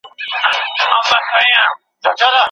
تاسو کولای شئ چې خپل غږ په کمپیوټري متن بدل کړئ.